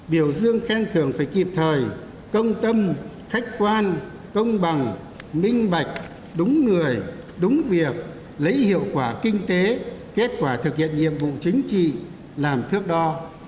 biểu dương khen thưởng phải kịp thời công tâm khách quan công bằng minh bạch đúng người đúng việc lấy hiệu quả kinh tế kết quả thực hiện nhiệm vụ chính trị làm thước đo